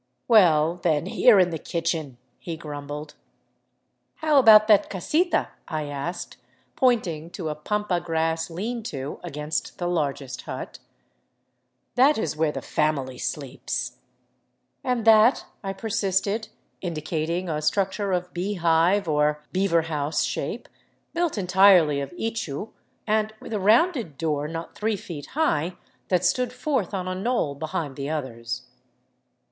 " Well, then, here in the kitchen," he grumbled. " How about that casita ?" I asked, pointing to a pampa grass lean to against the largest hut. " That is where the family sleeps." " And that? " I persisted, indicating a structure of beehive or beaver house shape, built entirely of ichu and with a rounded door not three feet high, that stood forth on a knoll behind the others.